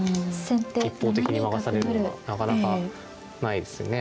一方的に負かされるのはなかなかないですよね。